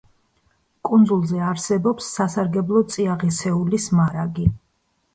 კუნძულზე არსებობს სასარგებლო წიაღისეულის მარაგი.